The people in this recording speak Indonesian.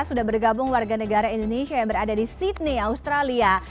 sudah bergabung warga negara indonesia yang berada di sydney australia